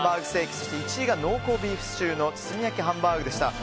そして、１位が濃厚ビーフシチューの包み焼きハンバーグでした。